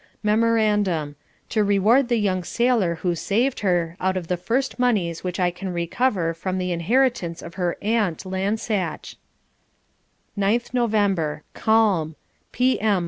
Memorandum to reward the young sailor who saved her out of the first moneys which I can recover from the inheritance of her aunt Lansache. 9th November calm P.M.